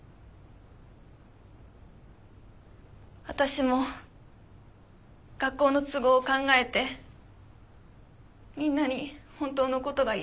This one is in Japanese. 私も学校の都合を考えてみんなに本当のことが言えなかった。